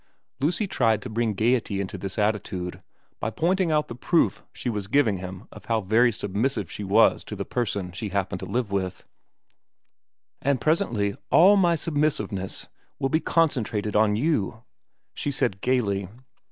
Lucy tried to bring gaiety into this attitude by pointing out the proof she was giving him of how very submissive she was to the person she happened to live with, ' And presently all my I 130 VERA xn submissiveness will be concentrated on you,' she said gaily.